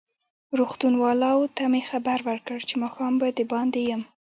روغتون والاوو ته مې خبر ورکړ چې ماښام به دباندې یم.